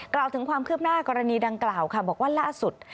กล่าวถึงความคืบหน้ากรณีดังกล่าวค่ะบอกว่าล่าสุด